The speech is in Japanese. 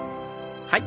はい。